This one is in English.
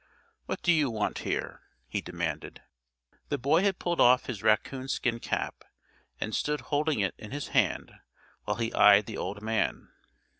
"What do you want here?" he demanded. The boy had pulled off his raccoon skin cap, and stood holding it in his hand while he eyed the old man.